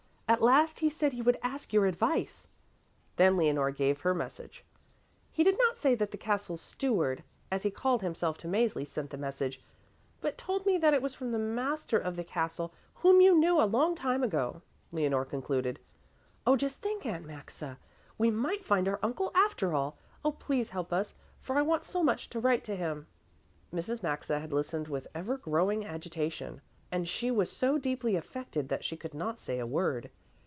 at last he said he would ask your advice." Then Leonore gave her message. "He did not say that the Castle Steward, as he called himself to Mäzli, sent the message, but told me that it was from the master of the castle, whom you knew a long time ago," Leonore concluded. "Oh, just think! Aunt Maxa, we might find our uncle after all. Oh, please help us, for I want so much to write to him." Mrs. Maxa had listened with ever growing agitation, and she was so deeply affected that she could not say a word.